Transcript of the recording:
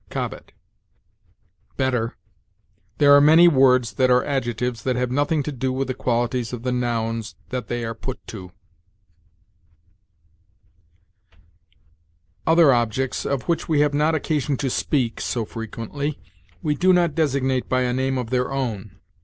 Cobbett. Better: 'there are many words that are adjectives that have nothing to do with the qualities of the nouns (that) they are put to.' "'Other objects, of which we have not occasion to speak so frequently, we do not designate by a name of their own.'